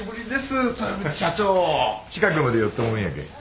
近くまで寄ったもんやけん。